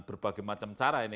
dan berbagai macam cara ini